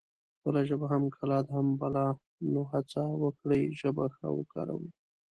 خپله ژبه هم کلا ده هم بلا نو هسه وکړی ژبه ښه وکاروي